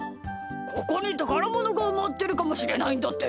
ここにたからものがうまってるかもしれないんだって。